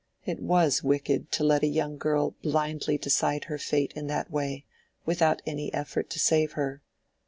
It was wicked to let a young girl blindly decide her fate in that way, without any effort to save her.